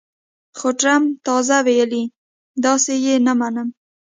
خو ټرمپ تازه ویلي، داسې یې نه منم